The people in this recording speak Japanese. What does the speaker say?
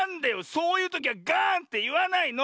⁉そういうときはガーンっていわないの！